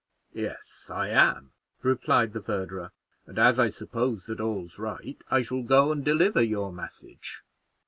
"Yes I am," replied the verderer, "and as I suppose that all's right, I shall go and deliver your message."